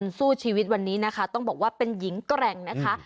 สู้ชีวิตวันนี้นะคะต้องบอกว่าเป็นหญิงแกร่งนะคะ